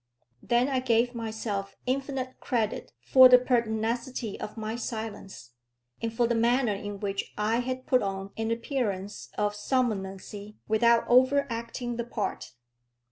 Then I gave myself infinite credit for the pertinacity of my silence, and for the manner in which I had put on an appearance of somnolency without overacting the part.